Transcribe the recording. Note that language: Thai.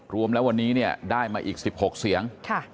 รวมแล้ววันนี้เนี่ยได้มาอีก๑๖เสียง